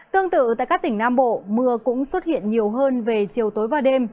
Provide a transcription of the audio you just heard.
tương tự tại các tỉnh nam bộ mưa cũng xuất hiện nhiều hơn về chiều tối và đêm